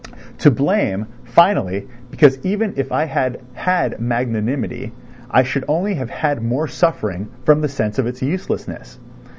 To blame, finally, because even if I had had magnanimity, I should only have had more suffering from the sense of its uselessness.